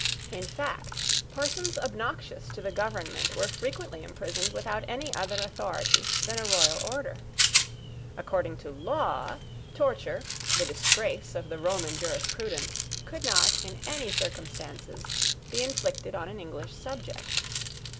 In fact, persons obnoxious to the government were frequently imprisoned without any other authority than a royal order. According to law, torture, the disgrace of the Roman jurisprudence, could not, in any circumstances, be inflicted on an English subject.